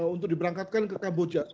untuk diberangkatkan ke kamboja